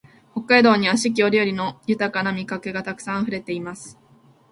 北海道には四季折々の豊な味覚がたくさんあふれています